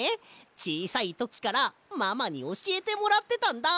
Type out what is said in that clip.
ちいさいときからママにおしえてもらってたんだ。